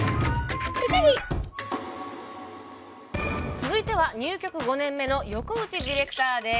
続いては入局５年目の横内ディレクターです。